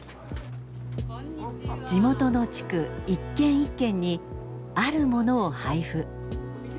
地元の地区一軒一軒にあるものを配布。